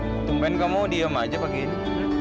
mungkin kamu diam aja pagi ini